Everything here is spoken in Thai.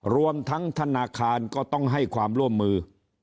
รวมทั้งธนาคารก็ต้องให้ความร่วมมือ